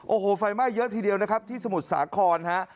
โอ้โหไฟไหม้เยอะทีเดียวนะครับที่สมุทรสาครฮะ